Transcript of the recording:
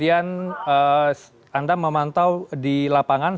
anda memantau di lapangan